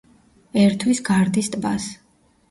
ერთვის გარდის ტბას.